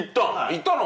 行ったの？